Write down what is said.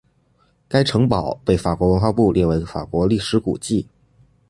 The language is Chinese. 该城堡被法国文化部列为法国历史古迹。